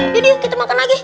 yuk yuk kita makan lagi